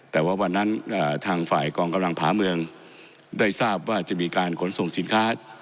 แต่ว่าวันนั้นทางฝ่ายกองกำลังผาเมืองได้ทราบว่าจะมีการขนส่งสินค้า